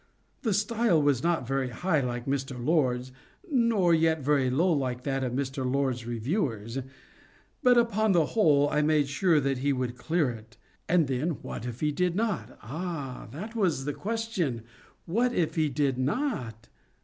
The stile was not very high, like Mr. Lord's—nor yet very low, like that of Mr. Lord's reviewers, but upon the whole I made sure that he would clear it. And then what if he did not?—ah, that was the question—what if he did not?